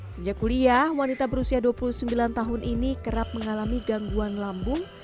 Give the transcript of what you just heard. sejak kuliah wanita berusia dua puluh sembilan tahun ini kerap mengalami gangguan lambung